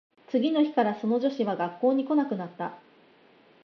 次の日からその女子は学校に来なくなった